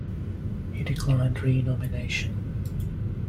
He declined renomination.